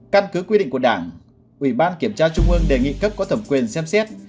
căn cứ quy định của đảng ủy ban kiểm tra trung ương đề nghị cấp có thẩm quyền xem xét